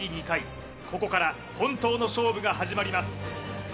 ２回ここから本当の勝負が始まります